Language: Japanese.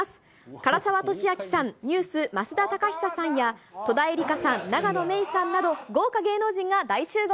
唐沢寿明さん、ＮＥＷＳ・増田貴久さんや戸田恵梨香さん、永野芽郁さんなど、豪華芸能人が大集合。